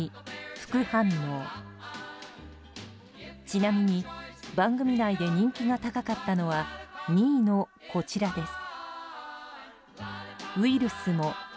ちなみに、番組内で人気が高かったのは２位のこちらです。